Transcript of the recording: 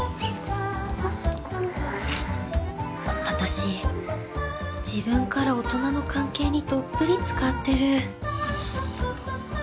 私自分から大人の関係にどっぷりつかってる。